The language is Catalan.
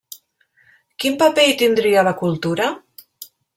Quin paper hi tindria la cultura?